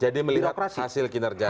jadi melihat hasil kinerjanya